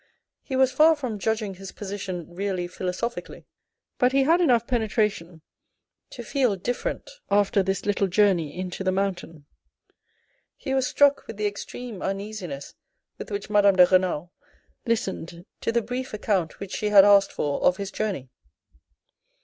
He was far from judging his position really philo sophically, but he had enough penetration to feel different after this little journey into the mountain. He was struck with the extreme uneasiness with which Madame de Renal listened to the brief account which she had asked for of his journey.